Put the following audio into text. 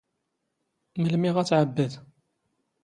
ⵎⵍⵎⵉ ⵖⴰ ⵜⵄⴱⴱⴷ?